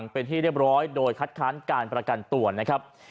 เป็นที่เรียบร้อยโดยคัดค้านการประกันตัวนะครับ